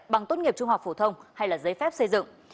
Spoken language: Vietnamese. bằng tốt nghiệp trung học phổ thông hay là giấy phép xây dựng